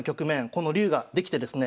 この竜ができてですね